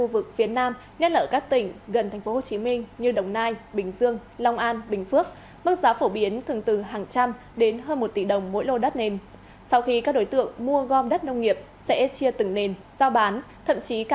vượt mốc sáu mươi chín hai triệu đồng một lượng ở chiều ban ra